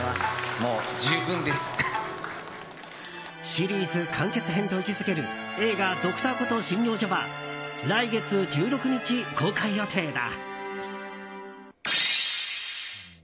シリーズ完結編と位置付ける映画「Ｄｒ．コトー診療所」は来月１６日公開予定だ。